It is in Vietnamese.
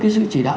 cái sự chỉ đạo